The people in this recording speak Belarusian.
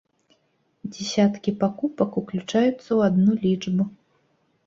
Дзесяткі пакупак уключаюцца ў адну лічбу.